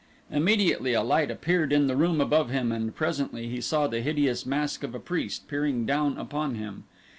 Immediately a light appeared in the room above him and presently he saw the hideous mask of a priest peering down upon him.